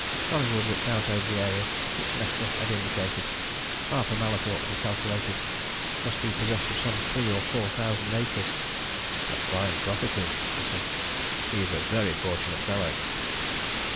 Collingwood looked out over the area which Nesta had indicated. Harper Mallathorpe, he calculated, must be possessed of some three or four thousand acres. "A fine property!" he said. "He's a very fortunate fellow!"